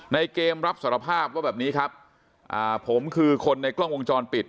ในเกมรับสารภาพว่าแบบนี้ครับอ่าผมคือคนในกล้องวงจรปิด